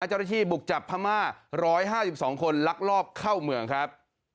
เจ้าหน้าที่บุกจับพม่า๑๕๒คนลักลอบเข้าเมืองครับ